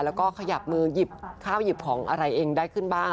แล้วก็ขยับมือหยิบข้าวหยิบของอะไรเองได้ขึ้นบ้าง